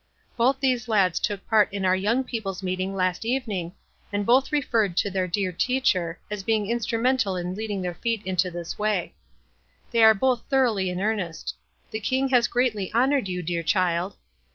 Both these lads took part in our Young People's Meeting last evening, and both referred to 'their dear teacher' as being instrumental in leading their, feet into this way. They are both thoroughly in earnest. The King has greatly honored you, dear child.